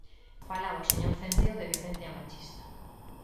Falaba o señor Centeo de violencia machista.